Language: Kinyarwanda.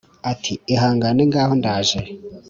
Ati : Ihangane ngaho ndaje